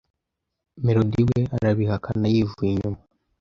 Melody we arabihakana yivuye inyuma